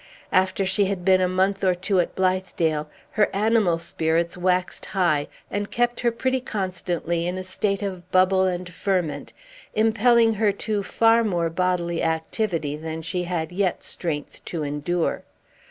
After she had been a month or two at Blithedale, her animal spirits waxed high, and kept her pretty constantly in a state of bubble and ferment, impelling her to far more bodily activity than she had yet strength to endure.